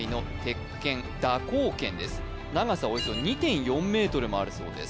長さおよそ２．４ｍもあるそうです